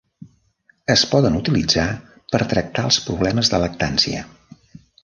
Es poden utilitzar per tractar els problemes de lactància.